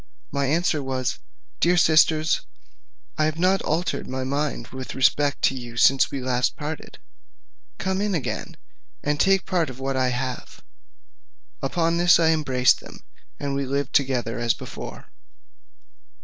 My answer was, "Dear sisters, I have not altered my mind with respect to you since we last parted: come again, and take part of what I have." Upon this I embraced them, and we lived together as before.